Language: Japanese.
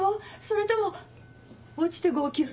それとも落ちて号泣？